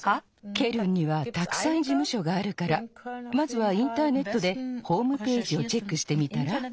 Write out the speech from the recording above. ケルンにはたくさんじむしょがあるからまずはインターネットでホームページをチェックしてみたら？